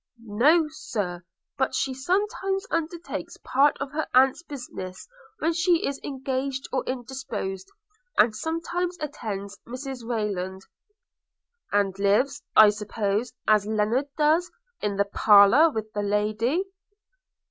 'No, Sir; but she sometimes undertakes part of her aunt's business when she is engaged or indisposed, and sometimes attends Mrs Rayland.' 'And lives, I suppose, as Lennard does, in the parlour with the Lady?'